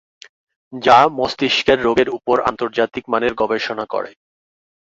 যা মস্তিষ্কের রোগের উপর আন্তর্জাতিক মানের গবেষণা করে।